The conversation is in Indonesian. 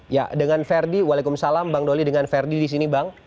ya dengan verdi waalaikumsalam bang doli dengan verdi di sini bang